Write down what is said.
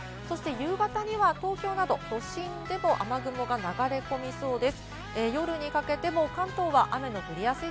夕方には東京など都心でも雨雲が今日はこちらです。